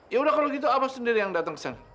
ya udah kalau gitu abah sendiri yang datang kesana